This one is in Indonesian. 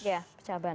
ya pecah ban